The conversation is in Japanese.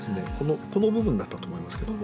この部分だったと思いますけども。